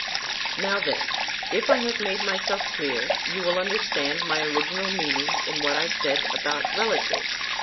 Now, then, if I have made myself clear, you will understand my original meaning in what I said about relatives.